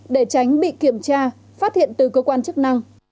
để tránh bị kiểm tra phát hiện từ cơ quan chức năng